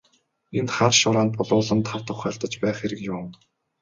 Энд хар шороонд булуулан тав тух алдаж байх хэрэг юун.